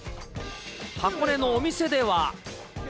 箱根のお店では。